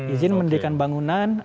izin mendirikan bangunan